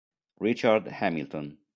Richard Hamilton